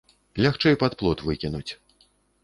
Лягчэй пад плот выкінуць.